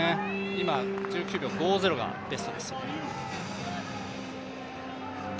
今、１９秒５０がベストです。